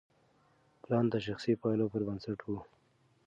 پلان د شخصي پایلو پر بنسټ و.